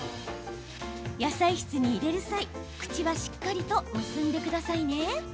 野菜室に入れる際口はしっかりと結んでくださいね。